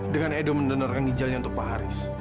dengan edo mendonorkan ginjalnya untuk pak haris